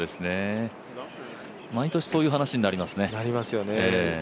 毎年そういう話になりますね。